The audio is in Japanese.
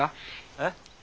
えっ？